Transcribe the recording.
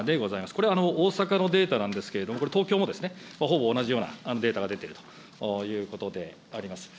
これ、大阪のデータなんですけれども、これ、東京もほぼ同じようなデータが出ているということであります。